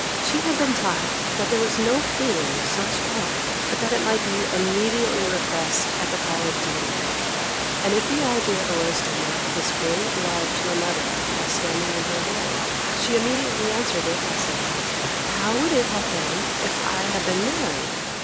She had been taught that there was no feeling so strong but that it might be immediately repressed at the call of duty, and if the idea arose to her of this great love to another as standing in her way, she immediately answered it by saying—'How would it have been if I had been married?